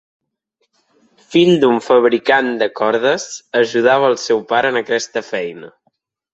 Fill d'un fabricant de cordes, ajudava al seu pare en aquesta feina.